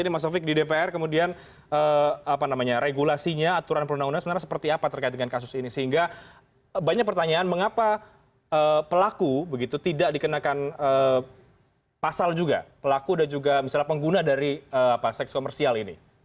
mas sofie apakah masalah pengguna dari seks komersial ini